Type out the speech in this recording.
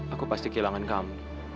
aku pasti kehilangan kamu